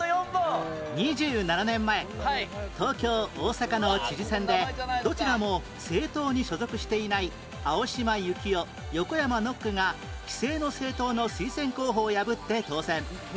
２７年前東京大阪の知事選でどちらも政党に所属していない青島幸男横山ノックが既成の政党の推薦候補を破って当選